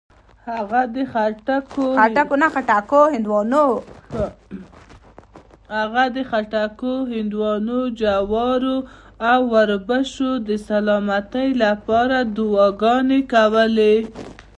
هغه د خټکو، هندواڼو، جوارو او اوربشو د سلامتۍ لپاره دعاګانې کولې.